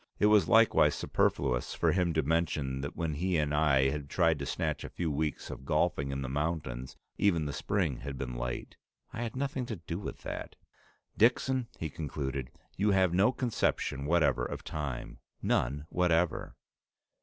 It was likewise superfluous for him to mention that when he and I had tried to snatch a few weeks of golfing in the mountains, even the spring had been late. I had nothing to do with that. "Dixon," he concluded, "you have no conception whatever of time. None whatever."